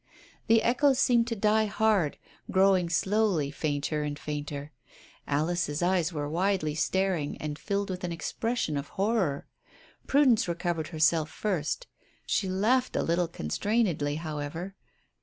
The echoes seemed to die hard, growing slowly fainter and fainter. Alice's eyes were widely staring and filled with an expression of horror. Prudence recovered herself first. She laughed a little constrainedly, however.